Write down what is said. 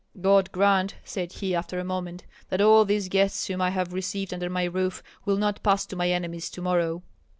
"God grant," said he, after a moment, "that all these guests whom I have received under my roof will not pass to my enemies to morrow."